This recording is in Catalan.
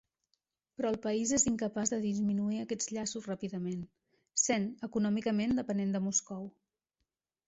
Però el país és incapaç de disminuir aquests llaços ràpidament, sent econòmicament depenent de Moscou.